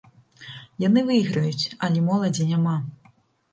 Яны выйграюць, але моладзі няма.